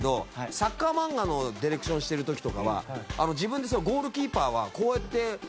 サッカーマンガのディレクションしてる時とかは自分でゴールキーパーはこうやってゴール。